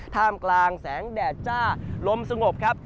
ท่ามกลางแสงแดดจ้าลมสงบครับ